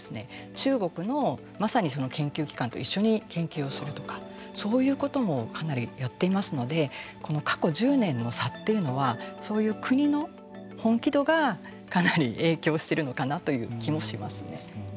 中国の、まさに研究機関と一緒に研究をするとかそういうこともかなりやっていますのでこの過去１０年の差っていうのはそういう国の本気度がかなり影響しているのかなという気もしますね。